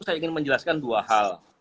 saya ingin menjelaskan dua hal